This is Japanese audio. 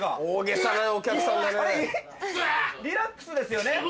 「リラックス」ですよね？